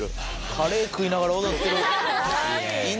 カレー食いながら踊ってる。